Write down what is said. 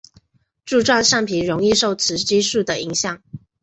柱状上皮容易受雌激素的影响。